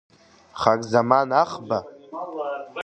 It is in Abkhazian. Харзаман Ахба?